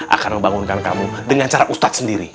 akan membangunkan kamu dengan cara ustaz sendiri